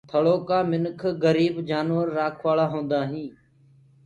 ٿݪو ڪآ منک گريب جآنور رآکوآݪآ هوندآئين